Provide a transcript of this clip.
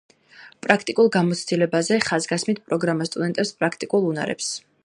პრაქტიკულ გამოცდილებაზე ხაზგასმით, პროგრამა სტუდენტებს პრაქტიკულ უნარებს.